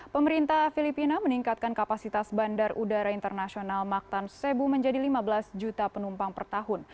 pemerintah filipina meningkatkan kapasitas bandar udara internasional mactan sebu menjadi lima belas juta penumpang per tahun